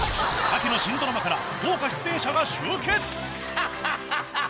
秋の新ドラマから豪華出演者が集結。